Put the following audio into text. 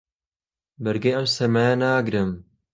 بەرگەی ئەم سەرمایە ناگرم.